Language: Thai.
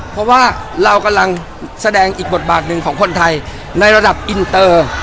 เพราะว่าเรากำลังแสดงอีกบทบาทหนึ่งของคนไทยในระดับอินเตอร์